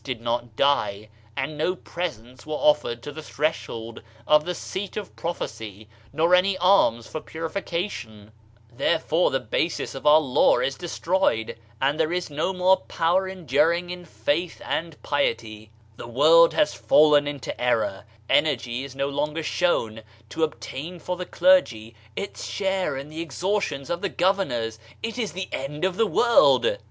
did not die), and no presents were offered to the Threshold of the Seat of Prophecy nor any alma for, purification! Therefore, the *A rirer in Paradise: M Diaiiizedb, Google OF CIVILIZATION basis of our Law is destroyed, and there is no more power enduring in faith and piety) "llie world has fallen into errorl energy is no longer shown to obtain for the clergy its share in the extortions of the governors. It is the end of the world!